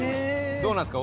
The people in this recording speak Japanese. どうなんですか？